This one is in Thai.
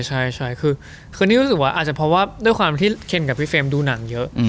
ใช่คือนี่รู้สึกว่าอาจจะเพราะว่าด้วยความที่เคนกับพี่เฟรมดูหนังเยอะ